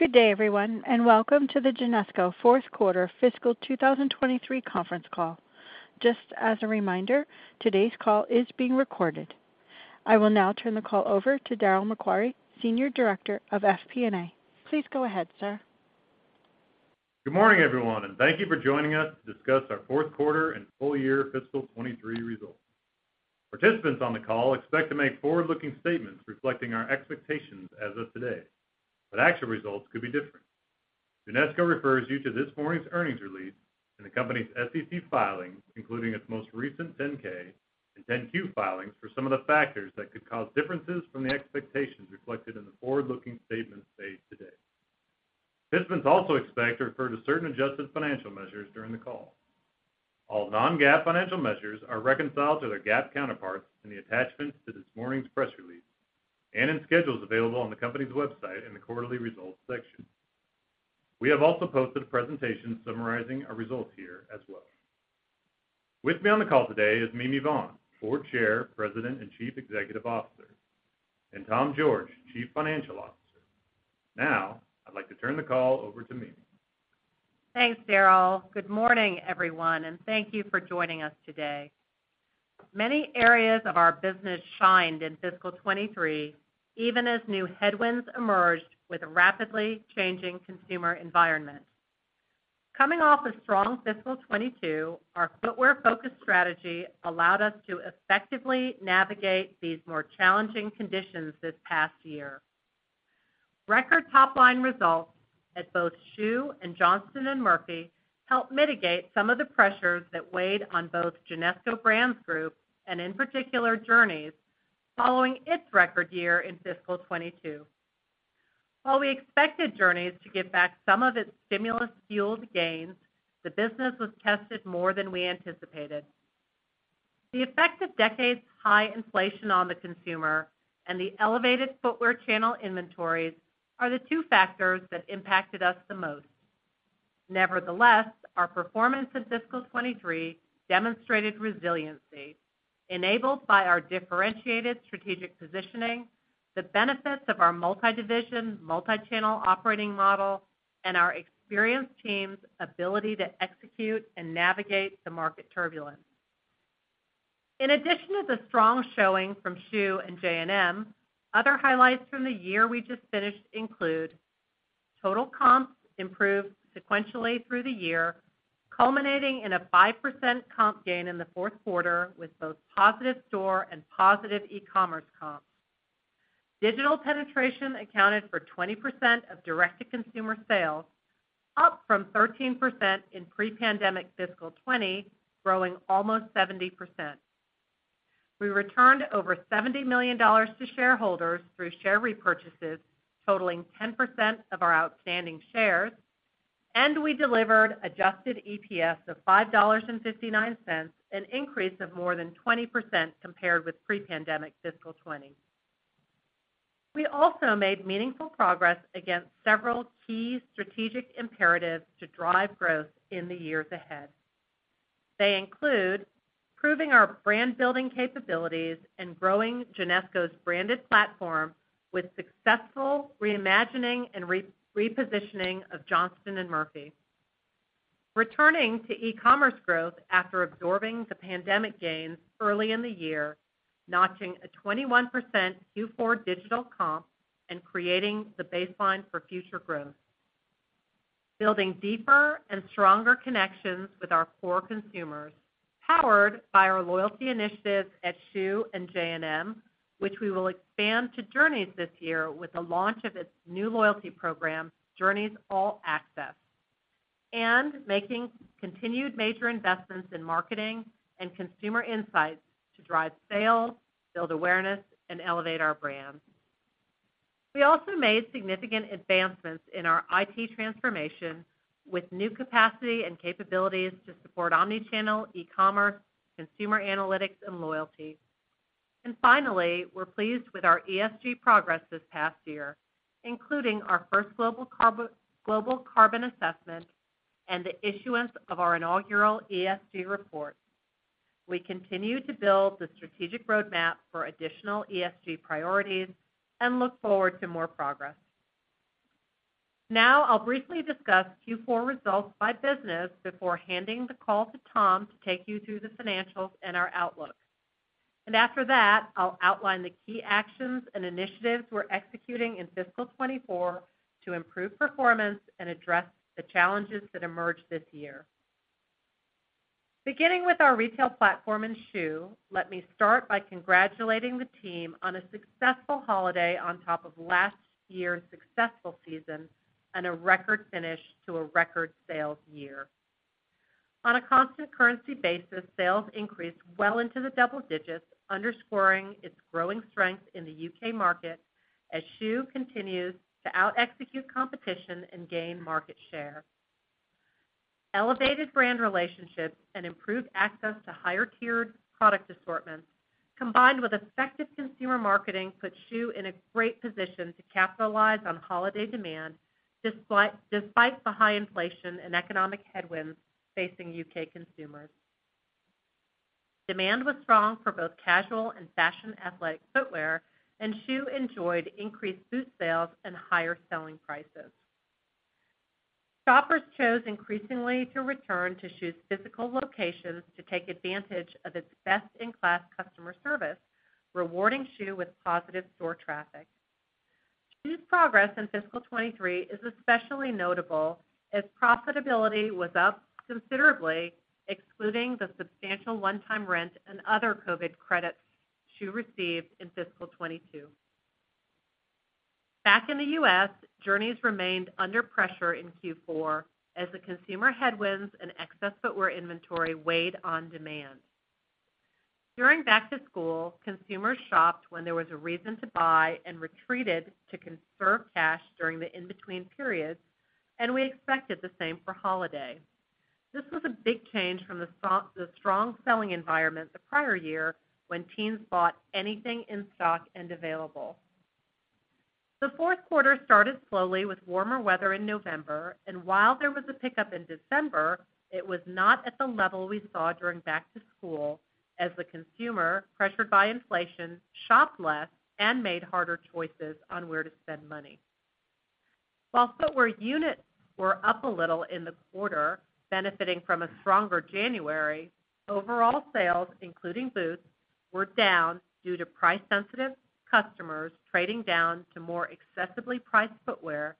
Good day, everyone, and welcome to the Genesco Q4 fiscal 2023 Conference call. Just as a reminder, today's call is being recorded. I will now turn the call over to Darryl MacQuarrie, Senior Director of FP&A. Please go ahead, sir. Good morning, everyone, and thank you for joining us to discuss our Q4 and full year fiscal 2023 results. Participants on the call expect to make forward-looking statements reflecting our expectations as of today, but actual results could be different. Genesco refers you to this morning's earnings release and the company's SEC filings, including its most recent 10-K and 10-Q filings for some of the factors that could cause differences from the expectations reflected in the forward-looking statements made today. Participants also expect to refer to certain adjusted financial measures during the call. All non-GAAP financial measures are reconciled to their GAAP counterparts in the attachments to this morning's press release and in schedules available on the company's website in the Quarterly Results section. We have also posted a presentation summarizing our results here as well. With me on the call today is Mimi Vaughn, Board Chair, President, and Chief Executive Officer, and Tom George, Chief Financial Officer. I'd like to turn the call over to Mimi. Thanks, Darryl. Good morning, everyone, and thank you for joining us today. Many areas of our business shined in fiscal 2023, even as new headwinds emerged with a rapidly changing consumer environment. Coming off a strong fiscal 2022, our footwear-focused strategy allowed us to effectively navigate these more challenging conditions this past year. Record top-line results at both Schuh and Johnston & Murphy helped mitigate some of the pressures that weighed on both Genesco Brands Group and, in particular, Journeys following its record year in fiscal 2022. While we expected Journeys to give back some of its stimulus-fueled gains, the business was tested more than we anticipated. The effect of decades-high inflation on the consumer and the elevated footwear channel inventories are the two factors that impacted us the most. Nevertheless, our performance in fiscal 2023 demonstrated resiliency enabled by our differentiated strategic positioning, the benefits of our multi-division, multi-channel operating model, and our experienced team's ability to execute and navigate the market turbulence. In addition to the strong showing from Schuh and J&M, other highlights from the year we just finished include total comps improved sequentially through the year, culminating in a 5% comp gain in the Q4 with both positive store and positive e-commerce comps. Digital penetration accounted for 20% of direct-to-consumer sales, up from 13% in pre-pandemic fiscal 20, growing almost 70%. We returned over $70 million to shareholders through share repurchases totaling 10% of our outstanding shares, and we delivered adjusted EPS of $5.59, an increase of more than 20% compared with pre-pandemic fiscal 2020. We also made meaningful progress against several key strategic imperatives to drive growth in the years ahead. They include improving our brand-building capabilities and growing Genesco's branded platform with successful reimagining and re-repositioning of Johnston & Murphy. Returning to e-commerce growth after absorbing the pandemic gains early in the year, notching a 21% Q4 digital comp and creating the baseline for future growth. Building deeper and stronger connections with our core consumers, powered by our loyalty initiatives at Schuh and J&M, which we will expand to Journeys this year with the launch of its new loyalty program, Journeys All Access. Making continued major investments in marketing and consumer insights to drive sales, build awareness, and elevate our brands. We also made significant advancements in our IT transformation with new capacity and capabilities to support omni-channel, e-commerce, consumer analytics, and loyalty. Finally, we're pleased with our ESG progress this past year, including our first global carbon assessment and the issuance of our inaugural ESG report. We continue to build the strategic roadmap for additional ESG priorities and look forward to more progress. I'll briefly discuss Q4 results by business before handing the call to Tom to take you through the financials and our outlook. After that, I'll outline the key actions and initiatives we're executing in fiscal 2024 to improve performance and address the challenges that emerged this year. Beginning with our retail platform in Schuh, let me start by congratulating the team on a successful holiday on top of last year's successful season and a record finish to a record sales year. On a constant currency basis, sales increased well into the double digits, underscoring its growing strength in the U.K. market as Schuh continues to out execute competition and gain market share. Elevated brand relationships and improved access to higher-tiered product assortments combined with effective consumer marketing put Schuh in a great position to capitalize on holiday demand, despite the high inflation and economic headwinds facing U.K. consumers. Demand was strong for both casual and fashion athletic footwear. Schuh enjoyed increased boot sales and higher selling prices. Shoppers chose increasingly to return to Schuh's physical locations to take advantage of its best-in-class customer service, rewarding Schuh with positive store traffic. Schuh's progress in fiscal 2023 is especially notable as profitability was up considerably, excluding the substantial one-time rent and other COVID credits Schuh received in fiscal 2022. Back in the U.S., Journeys remained under pressure in Q4 as the consumer headwinds and excess footwear inventory weighed on demand. During back to school, consumers shopped when there was a reason to buy and retreated to conserve cash during the in-between periods, and we expected the same for holiday. This was a big change from the strong selling environment the prior year when teens bought anything in stock and available. The Q4 started slowly with warmer weather in November, and while there was a pickup in December, it was not at the level we saw during back to school as the consumer, pressured by inflation, shopped less and made harder choices on where to spend money. While footwear units were up a little in the quarter, benefiting from a stronger January, overall sales, including boots, were down due to price-sensitive customers trading down to more accessibly priced footwear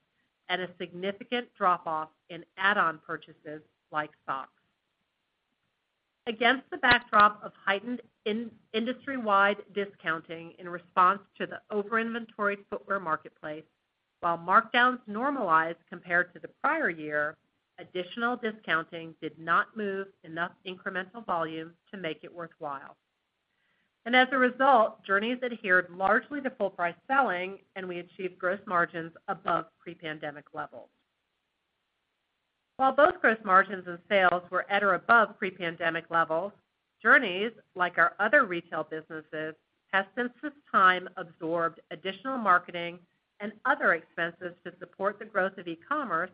and a significant drop-off in add-on purchases like socks. Against the backdrop of heightened in-industry-wide discounting in response to the over-inventoried footwear marketplace, while markdowns normalized compared to the prior year, additional discounting did not move enough incremental volume to make it worthwhile. As a result, Journeys adhered largely to full price selling, and we achieved gross margins above pre-pandemic levels. While both gross margins and sales were at or above pre-pandemic levels, Journeys, like our other retail businesses, has since this time absorbed additional marketing and other expenses to support the growth of e-commerce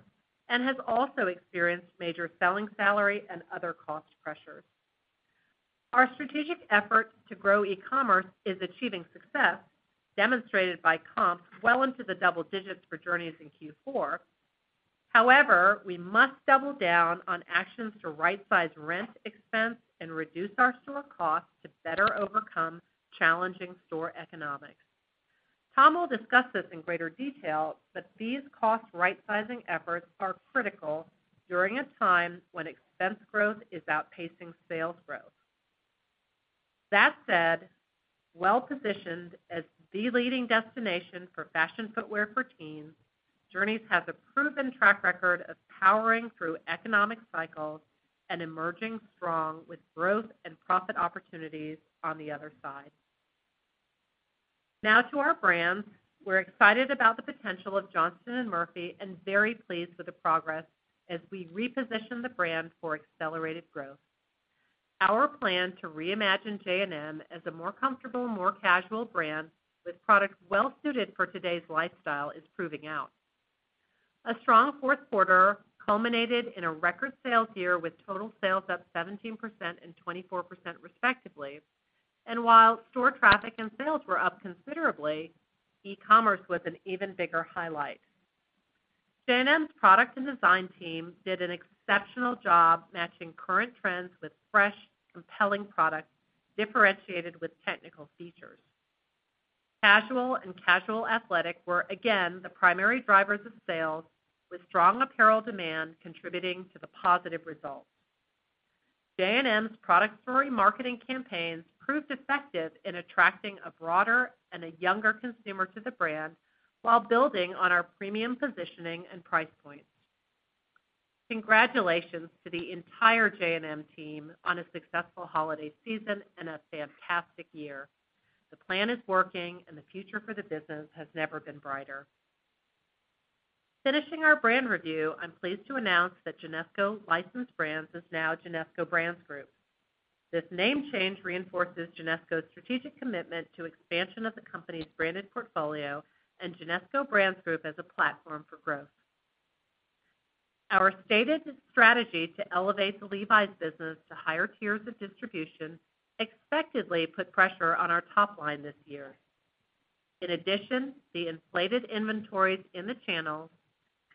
and has also experienced major selling salary and other cost pressures. Our strategic effort to grow e-commerce is achieving success, demonstrated by comps well into the double digits for Journeys in Q4. However, we must double down on actions to right-size rent expense and reduce our store costs to better overcome challenging store economics. Tom will discuss this in greater detail, but these cost rightsizing efforts are critical during a time when expense growth is outpacing sales growth. That said, well-positioned as the leading destination for fashion footwear for teens, Journeys has a proven track record of powering through economic cycles and emerging strong with growth and profit opportunities on the other side. Now to our brands. We're excited about the potential of Johnston & Murphy and very pleased with the progress as we reposition the brand for accelerated growth. Our plan to reimagine J&M as a more comfortable, more casual brand with product well-suited for today's lifestyle is proving out. A strong Q4 culminated in a record sales year with total sales up 17% and 24% respectively. While store traffic and sales were up considerably, e-commerce was an even bigger highlight. J&M's product and design team did an exceptional job matching current trends with fresh, compelling products differentiated with technical features. Casual and casual athletic were again the primary drivers of sales, with strong apparel demand contributing to the positive results. J&M's product story marketing campaigns proved effective in attracting a broader and a younger consumer to the brand while building on our premium positioning and price points. Congratulations to the entire J&M team on a successful holiday season and a fantastic year. The plan is working, and the future for the business has never been brighter. Finishing our brand review, I'm pleased to announce that Genesco Licensed Brands is now Genesco Brands Group. This name change reinforces Genesco's strategic commitment to expansion of the company's branded portfolio and Genesco Brands Group as a platform for growth. Our stated strategy to elevate the Levi's business to higher tiers of distribution expectedly put pressure on our top line this year. In addition, the inflated inventories in the channels,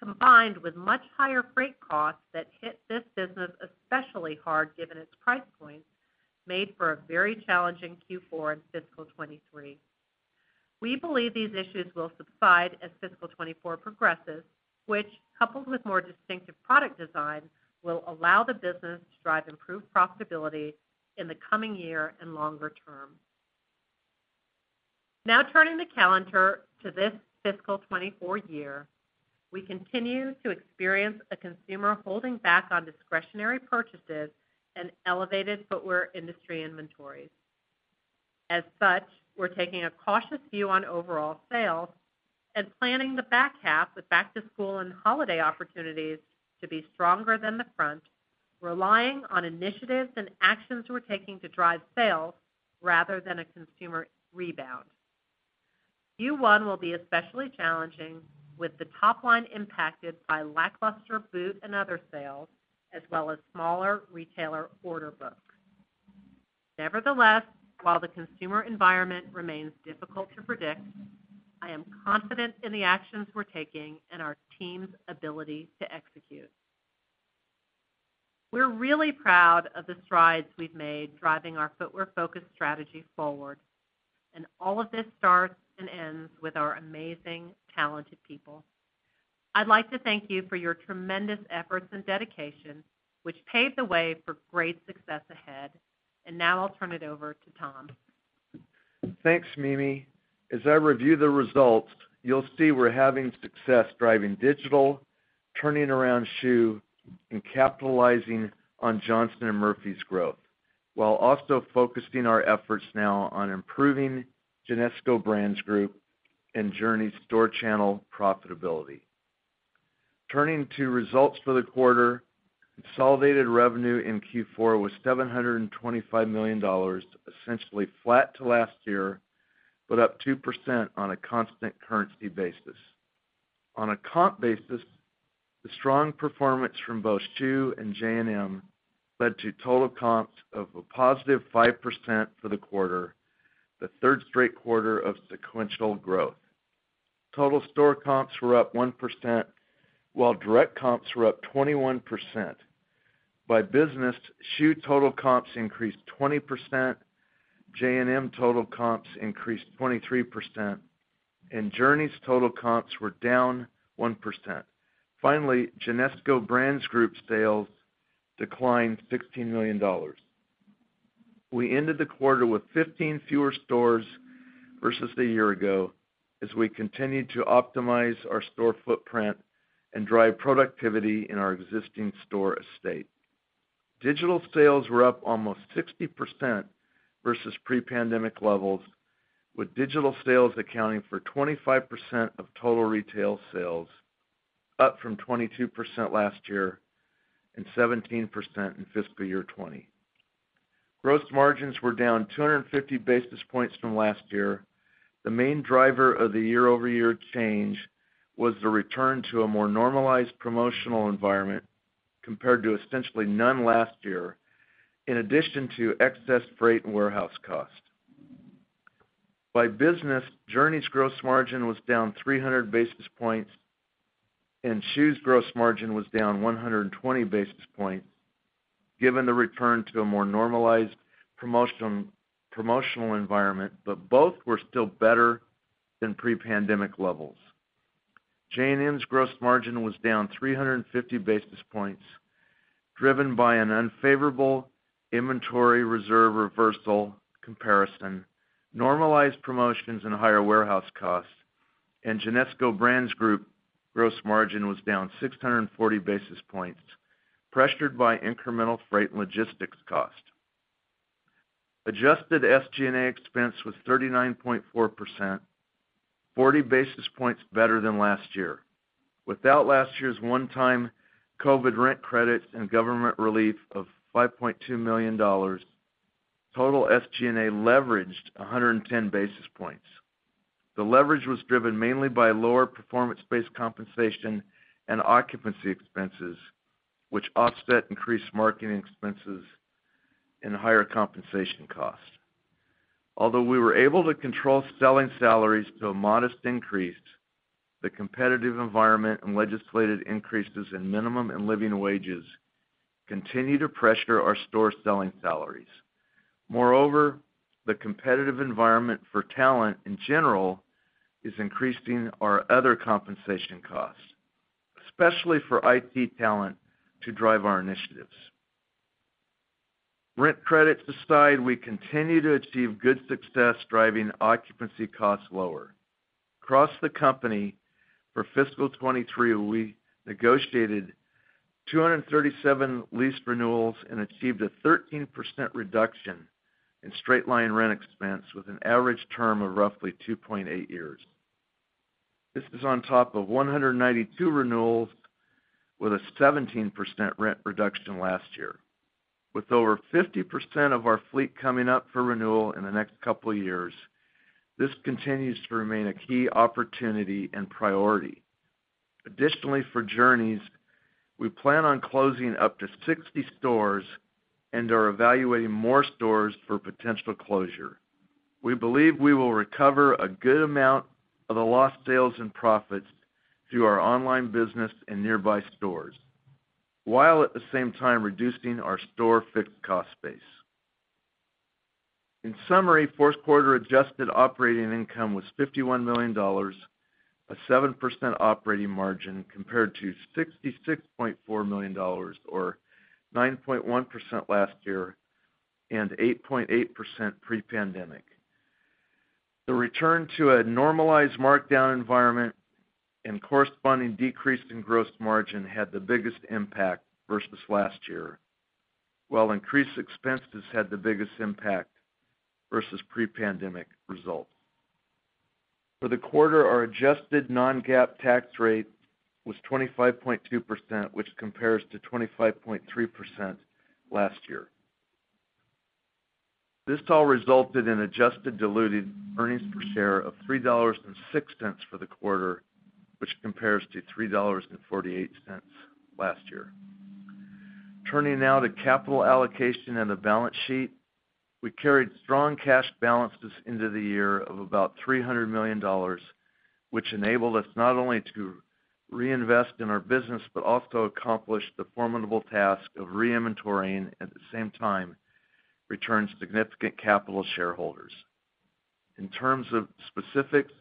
combined with much higher freight costs that hit this business especially hard given its price point, made for a very challenging Q4 in fiscal 2023. We believe these issues will subside as fiscal 2024 progresses, which, coupled with more distinctive product design, will allow the business to drive improved profitability in the coming year and longer term. Now turning the calendar to this fiscal 2024 year, we continue to experience a consumer holding back on discretionary purchases and elevated footwear industry inventories. As such, we're taking a cautious view on overall sales and planning the back half with back to school and holiday opportunities to be stronger than the front, relying on initiatives and actions we're taking to drive sales rather than a consumer rebound. Q1 will be especially challenging with the top line impacted by lackluster boot and other sales, as well as smaller retailer order books. Nevertheless, while the consumer environment remains difficult to predict, I am confident in the actions we're taking and our team's ability to execute. We're really proud of the strides we've made driving our footwear-focused strategy forward, and all of this starts and ends with our amazing, talented people. I'd like to thank you for your tremendous efforts and dedication, which paved the way for great success ahead. Now I'll turn it over to Tom. Thanks, Mimi. As I review the results, you'll see we're having success driving digital, turning around Schuh, and capitalizing on Johnston & Murphy's growth, while also focusing our efforts now on improving Genesco Brands Group and Journeys store channel profitability. Turning to results for the quarter, consolidated revenue in Q4 was $725 million, essentially flat to last year, but up 2% on a constant currency basis. On a comp basis, the strong performance from both Schuh and J&M led to total comps of a positive 5% for the quarter, the third straight quarter of sequential growth. Total store comps were up 1%, while direct comps were up 21%. By business, Schuh total comps increased 20%, J&M total comps increased 23%, and Journeys total comps were down 1%. Finally, Genesco Brands Group sales declined $16 million. We ended the quarter with 15 fewer stores versus a year ago as we continued to optimize our store footprint and drive productivity in our existing store estate. Digital sales were up almost 60% versus pre-pandemic levels, with digital sales accounting for 25% of total retail sales, up from 22% last year and 17% in fiscal year 2020. Gross margins were down 250 basis points from last year. The main driver of the year-over-year change was the return to a more normalized promotional environment compared to essentially none last year, in addition to excess freight and warehouse costs. By business, Journeys gross margin was down 300 basis points, Schuh's gross margin was down 120 basis points, given the return to a more normalized promotional environment. Both were still better than pre-pandemic levels. J&M's gross margin was down 350 basis points, driven by an unfavorable inventory reserve reversal comparison, normalized promotions and higher warehouse costs, and Genesco Brands Group gross margin was down 640 basis points, pressured by incremental freight and logistics costs. Adjusted SG&A expense was 39.4%, 40 basis points better than last year. Without last year's one-time COVID rent credits and government relief of $5.2 million, total SG&A leveraged 110 basis points. The leverage was driven mainly by lower performance-based compensation and occupancy expenses, which offset increased marketing expenses and higher compensation costs. Although we were able to control selling salaries to a modest increase, the competitive environment and legislated increases in minimum and living wages continue to pressure our store selling salaries. The competitive environment for talent in general is increasing our other compensation costs, especially for IT talent to drive our initiatives. Rent credits aside, we continue to achieve good success driving occupancy costs lower. Across the company for fiscal 2023, we negotiated 237 lease renewals and achieved a 13% reduction in straight line rent expense with an average term of roughly 2.8 years. This is on top of 192 renewals with a 17% rent reduction last year. With over 50% of our fleet coming up for renewal in the next couple of years, this continues to remain a key opportunity and priority. For Journeys, we plan on closing up to 60 stores and are evaluating more stores for potential closure. We believe we will recover a good amount of the lost sales and profits through our online business and nearby stores, while at the same time reducing our store fixed cost base. In summary, Q4 adjusted operating income was $51 million, a 7% operating margin compared to $66.4 million or 9.1% last year and 8.8% pre-pandemic. The return to a normalized markdown environment and corresponding decrease in gross margin had the biggest impact versus last year, while increased expenses had the biggest impact versus pre-pandemic results. For the quarter, our adjusted non-GAAP tax rate was 25.2%, which compares to 25.3% last year. This all resulted in adjusted diluted earnings per share of $3.06 for the quarter, which compares to $3.48 last year. Turning now to capital allocation and the balance sheet. We carried strong cash balances into the year of about $300 million, which enabled us not only to reinvest in our business, but also accomplish the formidable task of re-inventorying, at the same time, return significant capital to shareholders. In terms of specifics,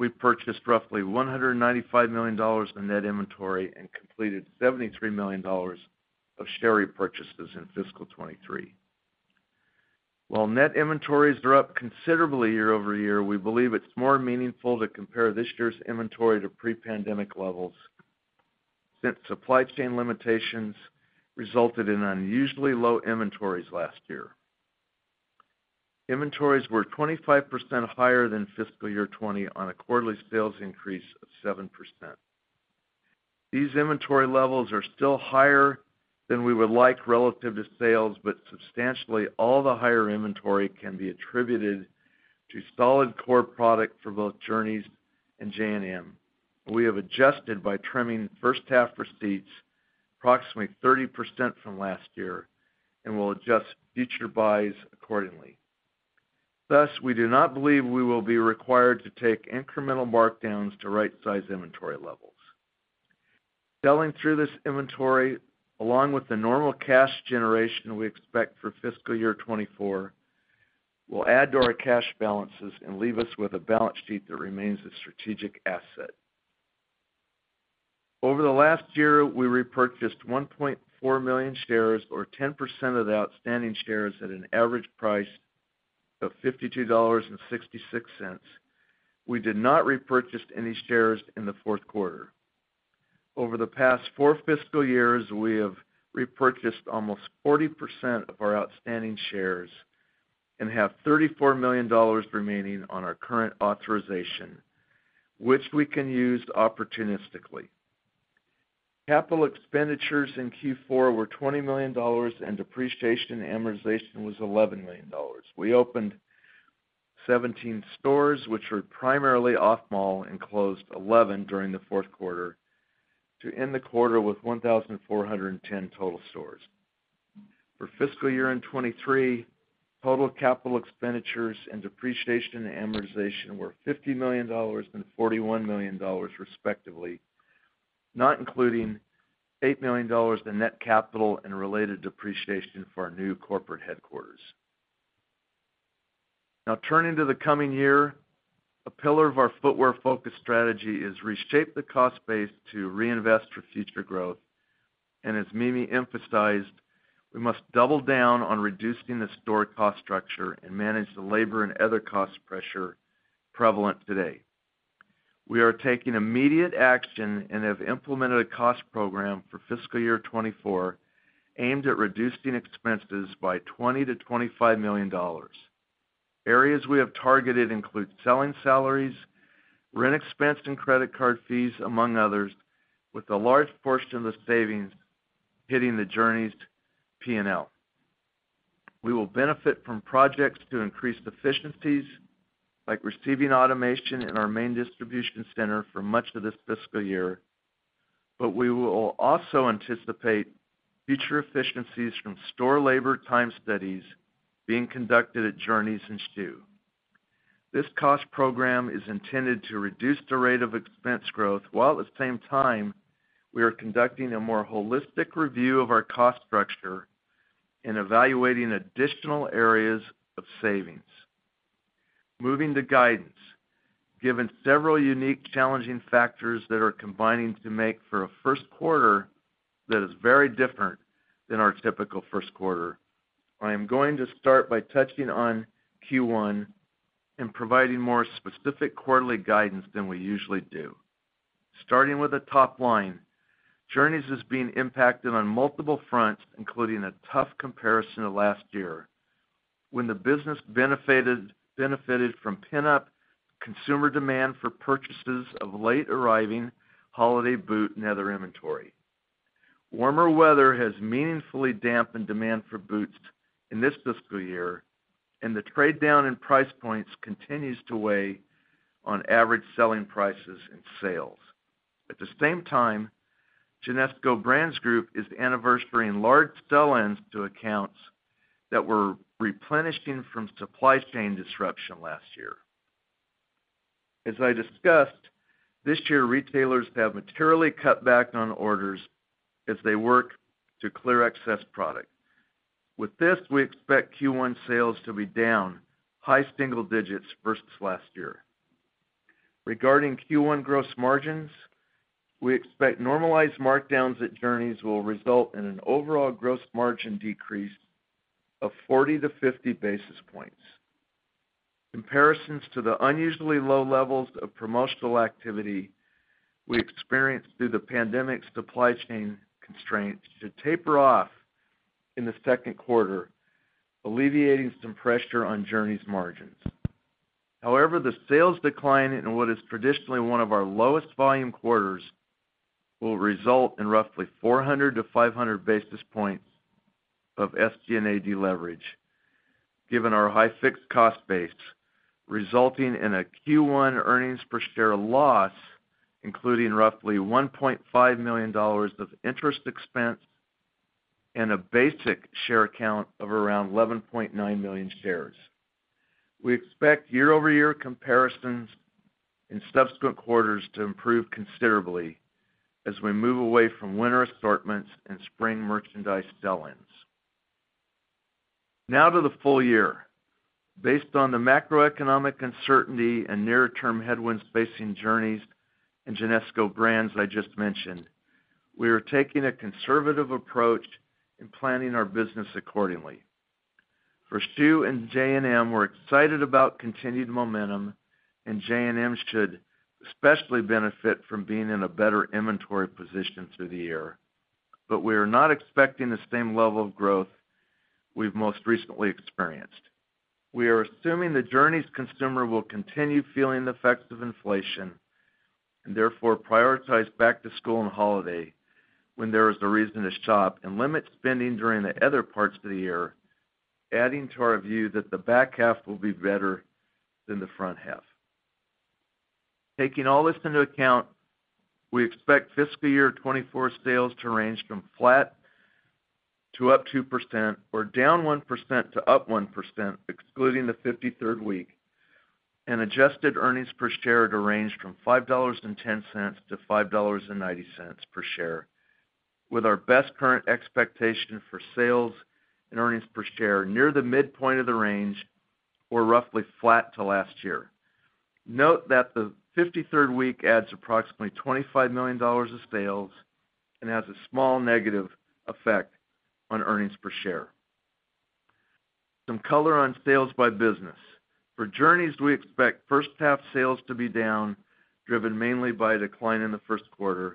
we purchased roughly $195 million in net inventory and completed $73 million of share repurchases in fiscal 2023. While net inventories are up considerably year-over-year, we believe it's more meaningful to compare this year's inventory to pre-pandemic levels since supply chain limitations resulted in unusually low inventories last year. Inventories were 25% higher than fiscal year 2020 on a quarterly sales increase of 7%. These inventory levels are still higher than we would like relative to sales, but substantially all the higher inventory can be attributed to solid core product for both Journeys and J&M. We have adjusted by trimming first half receipts approximately 30% from last year and will adjust future buys accordingly. We do not believe we will be required to take incremental markdowns to right-size inventory levels. Selling through this inventory, along with the normal cash generation we expect for fiscal year 2024, will add to our cash balances and leave us with a balance sheet that remains a strategic asset. Over the last year, we repurchased 1.4 million shares or 10% of the outstanding shares at an average price of $52.66. We did not repurchase any shares in the Q4. Over the past four fiscal years, we have repurchased almost 40% of our outstanding shares and have $34 million remaining on our current authorization, which we can use opportunistically. Capital expenditures in Q4 were $20 million, and depreciation and amortization was $11 million. We opened 17 stores, which were primarily off-mall, and closed 11 during the Q4 to end the quarter with 1,410 total stores. For fiscal year 2023, total capital expenditures and depreciation and amortization were $50 million and $41 million, respectively, not including $8 million in net capital and related depreciation for our new corporate headquarters. Turning to the coming year, a pillar of our footwear-focused strategy is reshape the cost base to reinvest for future growth. As Mimi emphasized, we must double down on reducing the store cost structure and manage the labor and other cost pressure prevalent today. We are taking immediate action and have implemented a cost program for fiscal year 2024 aimed at reducing expenses by $20 million to 25 million. Areas we have targeted include selling salaries, rent expense, and credit card fees, among others, with a large portion of the savings hitting the Journeys P&L. We will benefit from projects to increase efficiencies, like receiving automation in our main distribution center for much of this fiscal year, but we will also anticipate future efficiencies from store labor time studies being conducted at Journeys and Schuh. This cost program is intended to reduce the rate of expense growth, while at the same time, we are conducting a more holistic review of our cost structure and evaluating additional areas of savings. Moving to guidance. Given several unique challenging factors that are combining to make for a Q1 that is very different than our typical Q1, I am going to start by touching on Q1 and providing more specific quarterly guidance than we usually do. Starting with the top line, Journeys is being impacted on multiple fronts, including a tough comparison to last year when the business benefited from pent-up consumer demand for purchases of late-arriving holiday boot and other inventory. Warmer weather has meaningfully dampened demand for boots in this fiscal year, and the trade down in price points continues to weigh on average selling prices and sales. At the same time, Genesco Brands Group is anniversarying large sell-ins to accounts that were replenishing from supply chain disruption last year. As I discussed, this year, retailers have materially cut back on orders as they work to clear excess product. With this, we expect Q1 sales to be down high single digits versus last year. Regarding Q1 gross margins, we expect normalized markdowns at Journeys will result in an overall gross margin decrease of 40 to 50 basis points. Comparisons to the unusually low levels of promotional activity we experienced through the pandemic supply chain constraints should taper off in the Q2, alleviating some pressure on Journeys margins. The sales decline in what is traditionally one of our lowest volume quarters will result in roughly 400 to 500 basis points of SG&A deleverage given our high fixed cost base, resulting in a Q1 earnings per share loss, including roughly $1.5 million of interest expense and a basic share count of around 11.9 million shares. We expect year-over-year comparisons in subsequent quarters to improve considerably as we move away from winter assortments and spring merchandise sell-ins. To the full year. Based on the macroeconomic uncertainty and near-term headwinds facing Journeys and Genesco Brands I just mentioned, we are taking a conservative approach in planning our business accordingly. For Schuh and J&M, we're excited about continued momentum, and J&M should especially benefit from being in a better inventory position through the year. We are not expecting the same level of growth we've most recently experienced. We are assuming the Journeys consumer will continue feeling the effects of inflation and therefore prioritize back to school and holiday when there is a reason to shop and limit spending during the other parts of the year, adding to our view that the back half will be better than the front half. Taking all this into account, we expect fiscal year 2024 sales to range from flat to up 2%, or down 1% to up 1%, excluding the 53rd week, and adjusted earnings per share to range from $5.10 to 5.90 per share, with our best current expectation for sales and earnings per share near the midpoint of the range or roughly flat to last year. Note that the 53rd week adds approximately $25 million of sales and has a small negative effect on earnings per share. Some color on sales by business. For Journeys, we expect first half sales to be down, driven mainly by a decline in the Q1.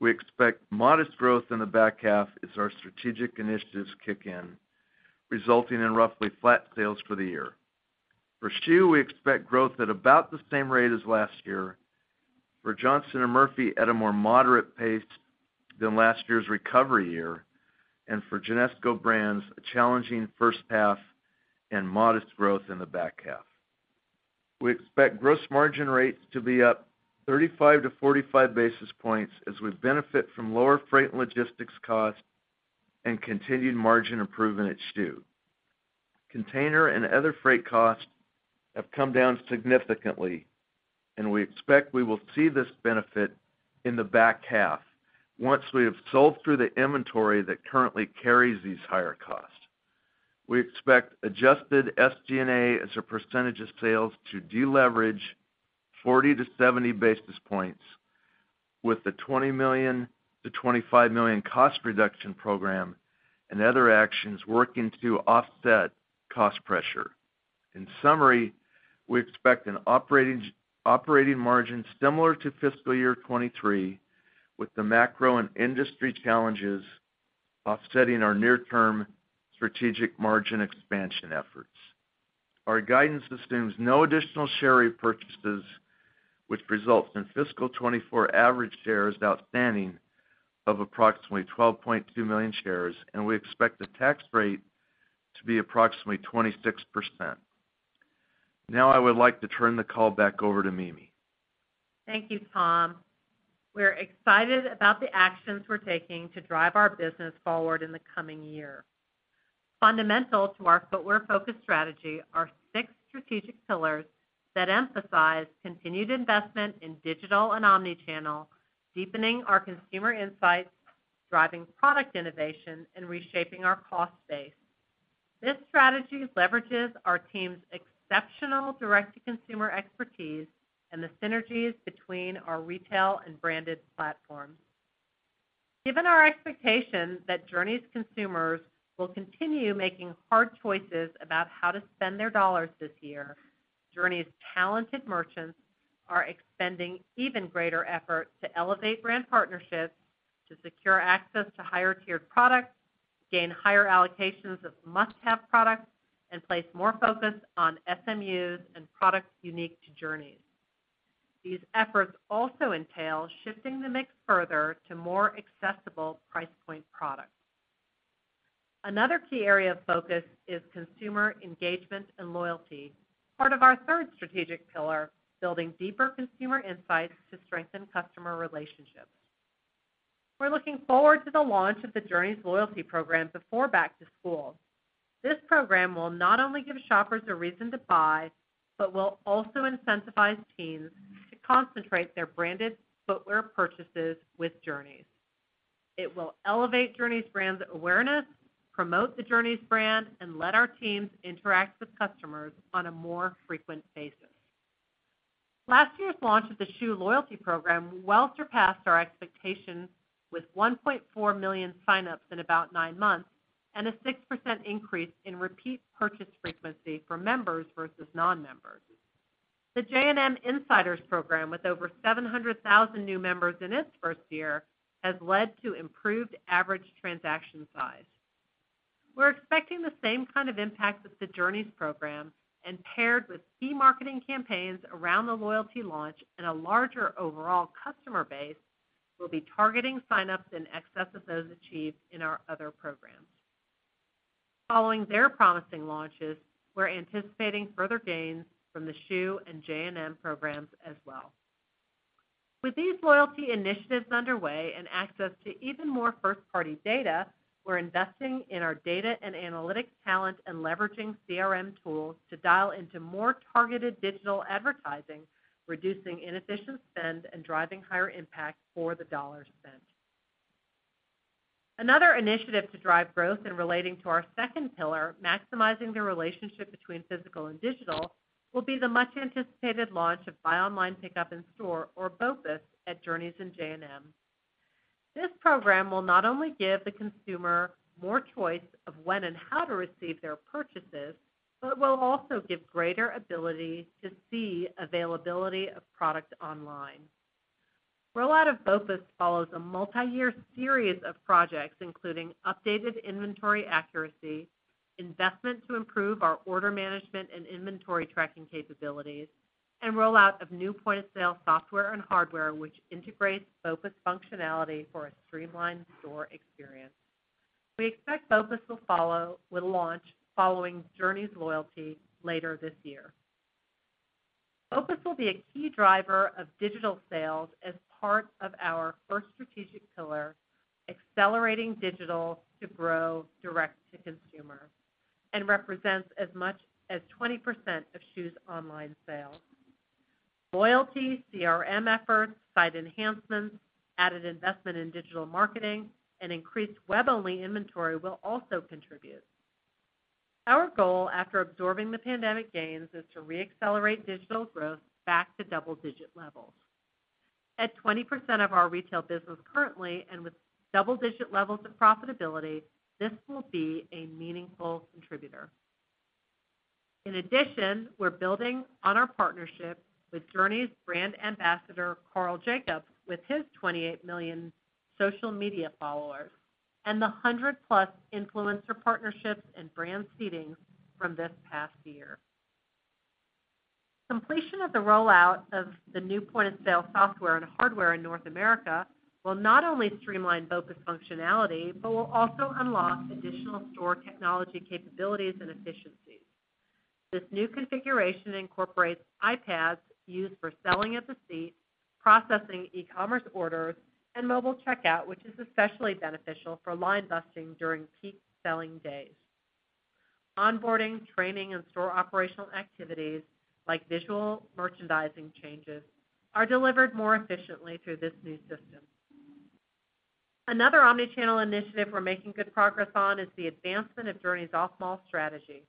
We expect modest growth in the back half as our strategic initiatives kick in, resulting in roughly flat sales for the year. For schuh, we expect growth at about the same rate as last year. For Johnston & Murphy, at a more moderate pace than last year's recovery year, and for Genesco Brands, a challenging first half and modest growth in the back half. We expect gross margin rates to be up 35 to 45 basis points as we benefit from lower freight and logistics costs and continued margin improvement at schuh. Container and other freight costs have come down significantly. We expect we will see this benefit in the back half once we have sold through the inventory that currently carries these higher costs. We expect adjusted SG&A as a percentage of sales to deleverage 40 to 70 basis points with the $20 million to 25 million cost reduction program and other actions working to offset cost pressure. In summary, we expect an operating margin similar to fiscal year 2023, with the macro and industry challenges offsetting our near-term strategic margin expansion efforts. Our guidance assumes no additional share repurchases, which results in fiscal 2024 average shares outstanding of approximately 12.2 million shares. We expect the tax rate to be approximately 26%. Now I would like to turn the call back over to Mimi. Thank you, Tom. We're excited about the actions we're taking to drive our business forward in the coming year. Fundamental to our footwear-focused strategy are six strategic pillars that emphasize continued investment in digital and omnichannel, deepening our consumer insights, driving product innovation, and reshaping our cost base. This strategy leverages our team's exceptional direct-to-consumer expertise and the synergies between our retail and branded platforms. Given our expectation that Journeys consumers will continue making hard choices about how to spend their dollars this year, Journeys' talented merchants are expending even greater effort to elevate brand partnerships, to secure access to higher-tiered products, gain higher allocations of must-have products, and place more focus on SMUs and products unique to Journeys. These efforts also entail shifting the mix further to more accessible price point products. Another key area of focus is consumer engagement and loyalty, part of our third strategic pillar, building deeper consumer insights to strengthen customer relationships. We're looking forward to the launch of the Journeys loyalty program before back to school. This program will not only give shoppers a reason to buy, but will also incentivize teens to concentrate their branded footwear purchases with Journeys. It will elevate Journeys' brand awareness, promote the Journeys brand, and let our teams interact with customers on a more frequent basis. Last year's launch of the Schuh loyalty program well surpassed our expectations with $1.4 million signups in about nine months and a 6% increase in repeat purchase frequency for members versus non-members. The J&M Insiders program, with over 700,000 new members in its first year, has led to improved average transaction size. We're expecting the same kind of impact with the Journeys program and paired with key marketing campaigns around the loyalty launch and a larger overall customer base, we'll be targeting sign-ups in excess of those achieved in our other programs. Following their promising launches, we're anticipating further gains from the Schuh and J&M programs as well. With these loyalty initiatives underway and access to even more first-party data, we're investing in our data and analytics talent and leveraging CRM tools to dial into more targeted digital advertising, reducing inefficient spend and driving higher impact for the $ spent. Another initiative to drive growth in relating to our second pillar, maximizing the relationship between physical and digital, will be the much-anticipated launch of buy online, pickup in store, or BOPUS, at Journeys and J&M. This program will not only give the consumer more choice of when and how to receive their purchases, but will also give greater ability to see availability of product online. Rollout of BOPUS follows a multiyear series of projects, including updated inventory accuracy, investment to improve our order management and inventory tracking capabilities, and rollout of new point-of-sale software and hardware, which integrates BOPUS functionality for a streamlined store experience. We expect BOPUS will launch following Journeys loyalty later this year. BOPUS will be a key driver of digital sales as part of our first strategic pillar, accelerating digital to grow direct-to-consumer, and represents as much as 20% of Schuh's online sales. Loyalty, CRM efforts, site enhancements, added investment in digital marketing, and increased web-only inventory will also contribute. Our goal after absorbing the pandemic gains is to reaccelerate digital growth back to double-digit levels. At 20% of our retail business currently and with double-digit levels of profitability, this will be a meaningful contributor. In addition, we're building on our partnership with Journeys Brand Ambassador Karl Jacobs, with his 28 million social media followers, and the 100-plus influencer partnerships and brand seedings from this past year. Completion of the rollout of the new point-of-sale software and hardware in North America will not only streamline BOPUS functionality, but will also unlock additional store technology capabilities and efficiencies. This new configuration incorporates iPads used for selling at the seat, processing e-commerce orders, and mobile checkout, which is especially beneficial for line busting during peak selling days. Onboarding, training, and store operational activities like visual merchandising changes are delivered more efficiently through this new system. Another omni-channel initiative we're making good progress on is the advancement of Journeys Off-Mall strategy.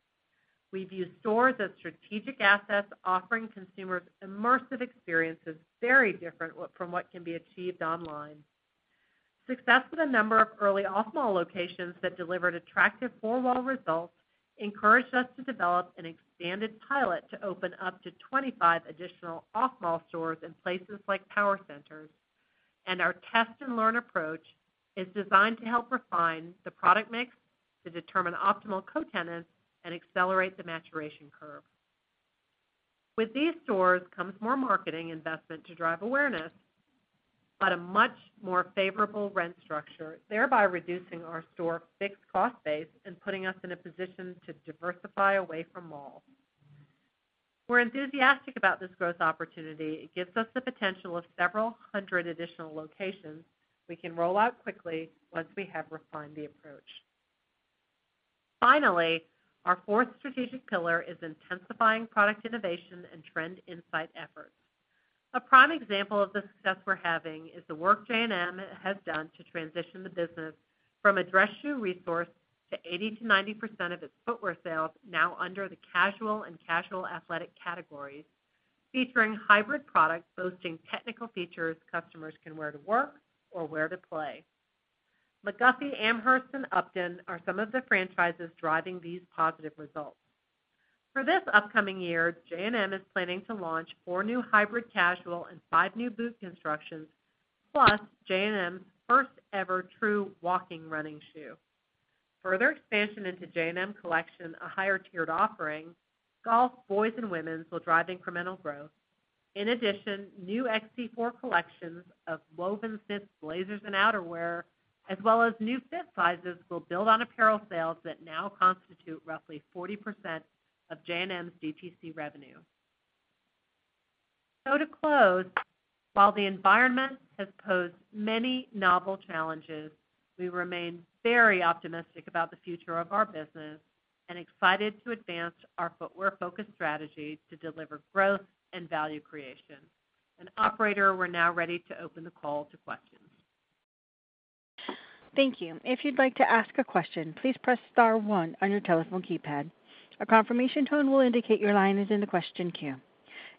We view stores as strategic assets offering consumers immersive experiences very different from what can be achieved online. Success with a number of early off-mall locations that delivered attractive four-wall results encouraged us to develop an expanded pilot to open up to 25 additional off-mall stores in places like power centers. Our test-and-learn approach is designed to help refine the product mix to determine optimal co-tenants and accelerate the maturation curve. With these stores comes more marketing investment to drive awareness at a much more favorable rent structure, thereby reducing our store fixed cost base and putting us in a position to diversify away from malls. We're enthusiastic about this growth opportunity. It gives us the potential of several hundred additional locations we can roll out quickly once we have refined the approach. Finally, our fourth strategic pillar is intensifying product innovation and trend insight efforts. A prime example of the success we're having is the work J&M has done to transition the business from a dress shoe resource to 80% to 90% of its footwear sales now under the casual and casual athletic categories, featuring hybrid products boasting technical features customers can wear to work or wear to play. McGuffey, Amherst, and Upton are some of the franchises driving these positive results. For this upcoming year, J&M is planning to launch four new hybrid casual and five new boot constructions, plus J&M's first-ever true walking running shoe. Further expansion into J&M Collection, a higher-tiered offering, golf, boys, and women's will drive incremental growth. In addition, new XC4 collections of woven fits, blazers, and outerwear, as well as new fit sizes, will build on apparel sales that now constitute roughly 40% of J&M's DTC revenue. To close, while the environment has posed many novel challenges, we remain very optimistic about the future of our business and excited to advance our footwear-focused strategy to deliver growth and value creation. Operator, we're now ready to open the call to questions. Thank you. If you'd like to ask a question, please press star one on your telephone keypad. A confirmation tone will indicate your line is in the question queue.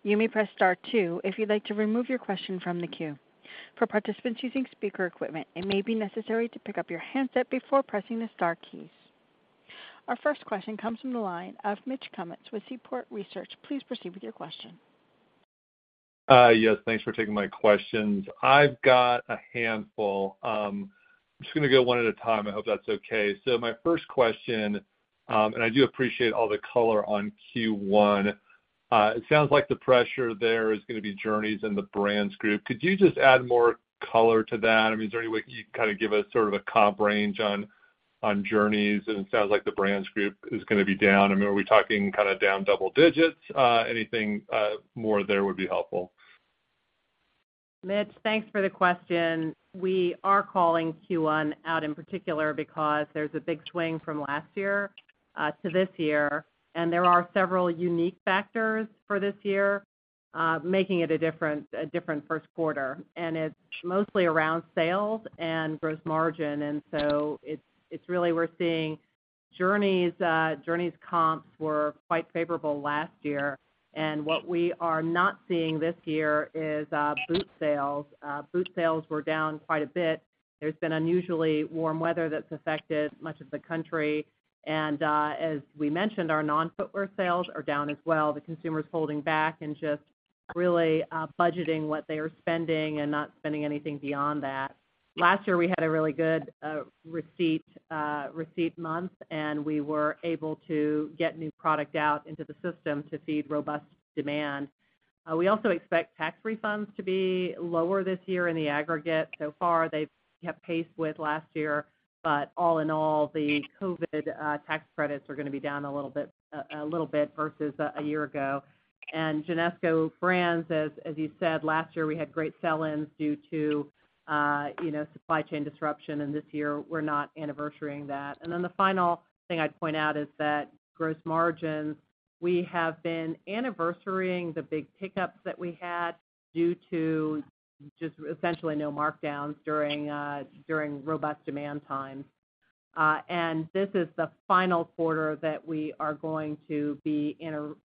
You may press star two if you'd like to remove your question from the queue. For participants using speaker equipment, it may be necessary to pick up your handset before pressing the star keys. Our first question comes from the line of Mitch Kummetz with Seaport Research. Please proceed with your question. Yes, thanks for taking my questions. I've got a handful. I'm just gonna go one at a time. I hope that's okay. My first question, and I do appreciate all the color on Q1. It sounds like the pressure there is gonna be Journeys and the Brands Group. Could you just add more color to that? I mean, is there any way you can kind of give us sort of a comp range on Journeys? It sounds like the Brands Group is gonna be down. I mean, are we talking kinda down double digits? Anything more there would be helpful. Mitch, thanks for the question. We are calling Q1 out in particular because there's a big swing from last year to this year, there are several unique factors for this year, making it a different Q1. It's mostly around sales and gross margin. It's really we're seeing Journeys comps were quite favorable last year. What we are not seeing this year is boot sales. Boot sales were down quite a bit. There's been unusually warm weather that's affected much of the country. As we mentioned, our non-footwear sales are down as well. The consumer's holding back and just really budgeting what they are spending and not spending anything beyond that. Last year, we had a really good receipt month, and we were able to get new product out into the system to feed robust demand. We also expect tax refunds to be lower this year in the aggregate. So far, they've kept pace with last year. All in all, the COVID tax credits are gonna be down a little bit versus a year ago. Genesco Brands, as you said, last year, we had great sell-ins due to, you know, supply chain disruption, and this year we're not anniversarying that. The final thing I'd point out is that gross margins, we have been anniversarying the big pickups that we had due to just essentially no markdowns during robust demand times. This is the final quarter that we are going to be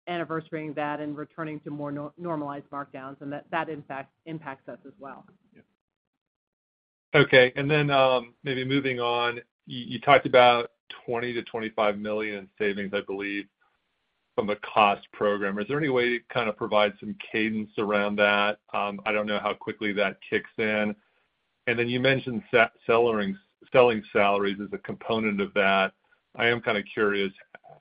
anniversarying that and returning to more normalized markdowns, and that impacts us as well. Yeah. Okay. Maybe moving on, you talked about $20 million to 25 million in savings, I believe, from the cost program. Is there any way to kind of provide some cadence around that? I don't know how quickly that kicks in. Then you mentioned selling salaries as a component of that. I am kinda curious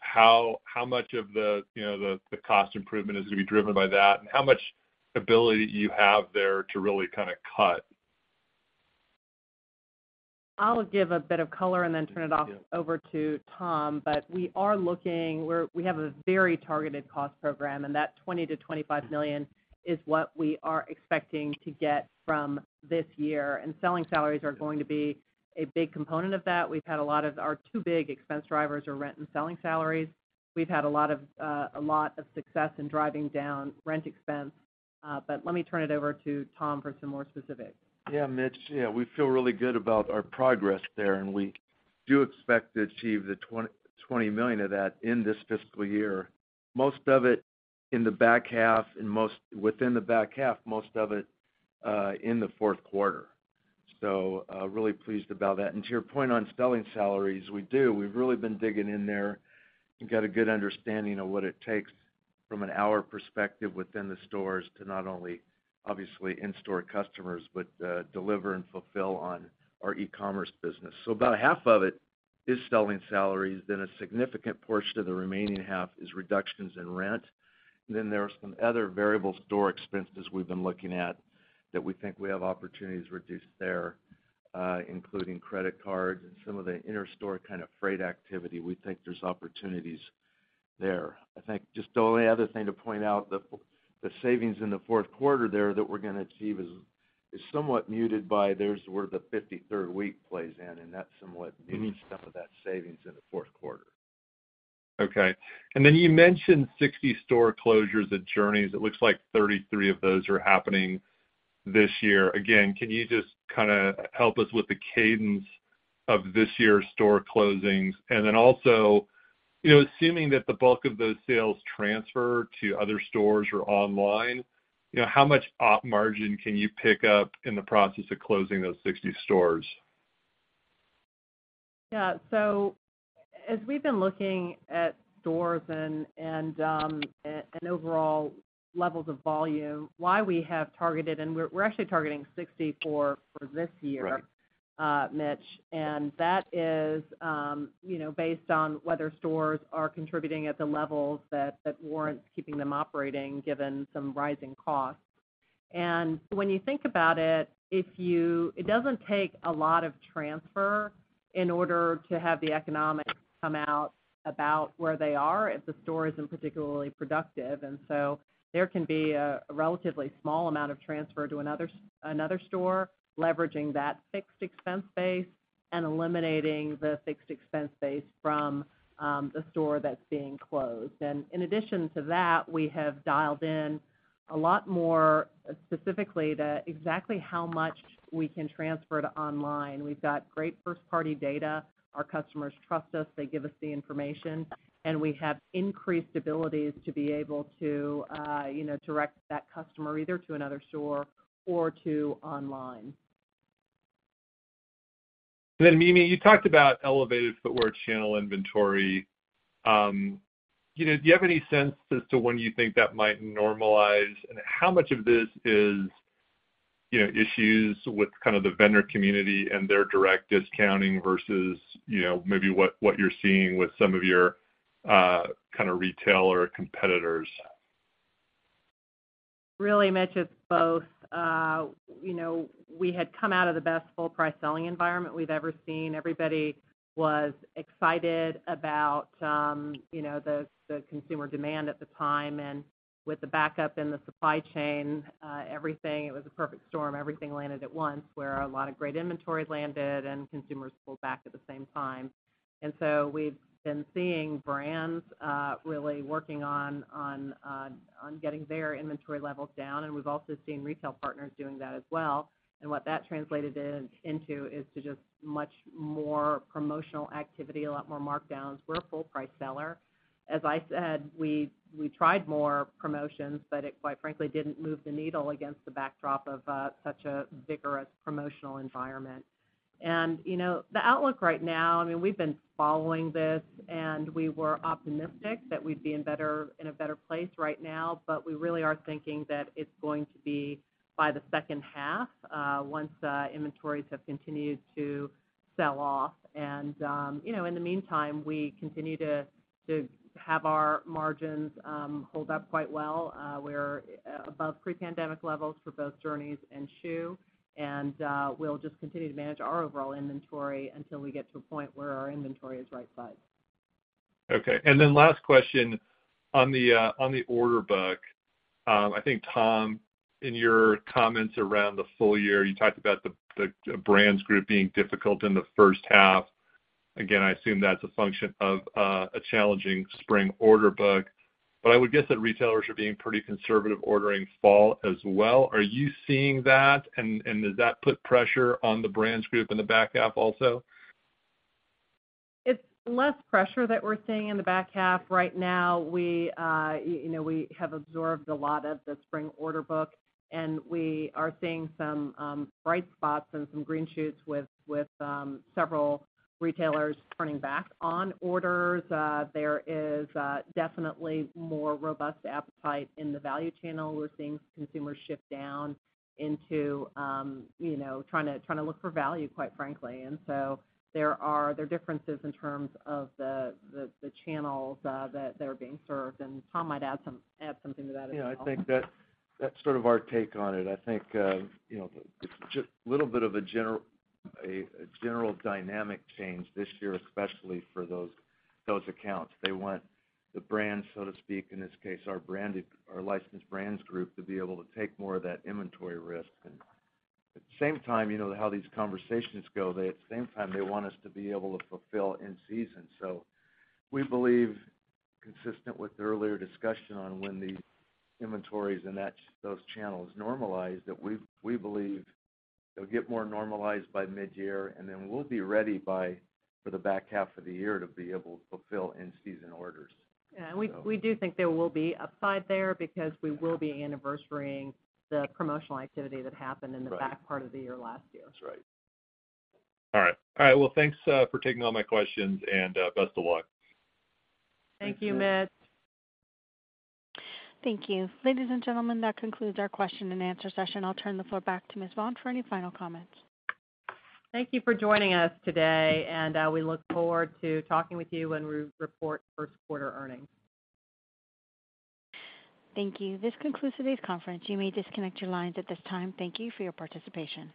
how much of the, you know, the cost improvement is gonna be driven by that and how much ability you have there to really kinda cut. I'll give a bit of color and then turn it off Yeah. over to Tom. we have a very targeted cost program, and that $20 million to 25 million is what we are expecting to get from this year. Selling salaries are going to be a big component of that. Our two big expense drivers are rent and selling salaries. We've had a lot of success in driving down rent expense. let me turn it over to Tom for some more specifics. Yeah, Mitch, yeah, we feel really good about our progress there, and we do expect to achieve the $20 million of that in this fiscal year. Most of it in the back half and within the back half, most of it in the Q4. Really pleased about that. To your point on selling salaries, we do. We've really been digging in there and got a good understanding of what it takes from an hour perspective within the stores to not only, obviously, in-store customers, but deliver and fulfill on our e-commerce business. About half of it is selling salaries, then a significant portion of the remaining half is reductions in rent. There are some other variable store expenses we've been looking at that we think we have opportunities to reduce there, including credit cards and some of the inner store kind of freight activity. We think there's opportunities there. I think just the only other thing to point out, the savings in the Q4 there that we're gonna achieve is somewhat muted by there's where the 53rd week plays in, and that somewhat mutes some of that savings in the Q4. Okay. You mentioned 60 store closures at Journeys. It looks like 33 of those are happening this year. Again, can you just kinda help us with the cadence of this year's store closings? Also, you know, assuming that the bulk of those sales transfer to other stores or online, you know, how much op margin can you pick up in the process of closing those 60 stores? Yeah. As we've been looking at stores and overall levels of volume, why we have targeted, and we're actually targeting 64 for this year. Right. Mitch. That is, you know, based on whether stores are contributing at the levels that warrants keeping them operating given some rising costs. When you think about it doesn't take a lot of transfer in order to have the economics come out about where they are if the store isn't particularly productive. There can be a relatively small amount of transfer to another store, leveraging that fixed expense base and eliminating the fixed expense base from the store that's being closed. In addition to that, we have dialed in a lot more specifically to exactly how much we can transfer to online. We've got great first-party data. Our customers trust us. They give us the information, and we have increased abilities to be able to, you know, direct that customer either to another store or to online. Mimi, you talked about elevated footwear channel inventory. you know, do you have any sense as to when you think that might normalize? How much of this is, you know, issues with kind of the vendor community and their direct discounting versus, you know, maybe what you're seeing with some of your, kinda retailer competitors? Really, Mitch, it's both. you know, we had come out of the best full-price selling environment we've ever seen. Everybody was excited about, you know, the consumer demand at the time. With the backup in the supply chain, everything, it was a perfect storm. Everything landed at once, where a lot of great inventory landed and consumers pulled back at the same time. We've been seeing brands, really working on getting their inventory levels down, and we've also seen retail partners doing that as well. What that translated into is to just much more promotional activity, a lot more markdowns. We're a full-price seller. As I said, we tried more promotions, but it quite frankly didn't move the needle against the backdrop of such a vigorous promotional environment. You know, the outlook right now, I mean, we've been following this, and we were optimistic that we'd be in a better place right now, but we really are thinking that it's going to be by the second half, once inventories have continued to sell off. You know, in the meantime, we continue to have our margins hold up quite well. We're above pre-pandemic levels for both Journeys and Schuh. We'll just continue to manage our overall inventory until we get to a point where our inventory is right-sized. Okay. Last question. On the order book, I think, Tom George, in your comments around the full year, you talked about the Brands Group being difficult in the first half. Again, I assume that's a function of a challenging spring order book. I would guess that retailers are being pretty conservative ordering fall as well. Are you seeing that? Does that put pressure on the Brands Group in the back half also? It's less pressure that we're seeing in the back half right now. We, you know, we have absorbed a lot of the spring order book, and we are seeing some bright spots and some green shoots with several retailers turning back on orders. There is definitely more robust appetite in the value channel. We're seeing consumers shift down into, you know, trying to look for value, quite frankly. There are differences in terms of the channels that they're being served. Tom might add something to that as well. Yeah, I think that's sort of our take on it. I think, you know, it's just little bit of a general dynamic change this year, especially for those accounts. They want the brands, so to speak, in this case, our Licensed Brands Group to be able to take more of that inventory risk. At the same time, you know how these conversations go, they want us to be able to fulfill in-season. We believe, consistent with the earlier discussion on when these inventories and those channels normalize, that we believe it'll get more normalized by mid-year, we'll be ready for the back half of the year to be able to fulfill in-season orders. Yeah. So. We do think there will be upside there because we will be anniversarying the promotional activity that happened in the Right. back part of the year last year. That's right. All right. All right, well, thanks for taking all my questions, and best of luck. Thank you. Thank you, Mitch. Thank you. Ladies and gentlemen, that concludes our Q&A session. I'll turn the floor back to Ms. Vaughn for any final comments. Thank you for joining us today, and we look forward to talking with you when we report Q1 earnings. Thank you. This concludes today's conference. You may disconnect your lines at this time. Thank you for your participation.